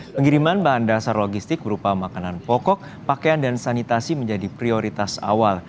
pengiriman bahan dasar logistik berupa makanan pokok pakaian dan sanitasi menjadi prioritas awal